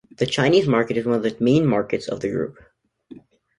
The Chinese market is one of the main markets of the Group.